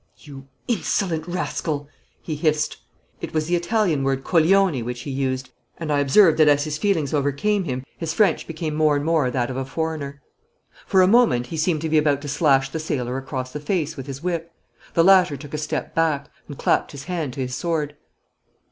'You insolent rascal!' he hissed. It was the Italian word coglione which he used, and I observed that as his feelings overcame him his French became more and more that of a foreigner. For a moment he seemed to be about to slash the sailor across the face with his whip. The latter took a step back, and clapped his hand to his sword.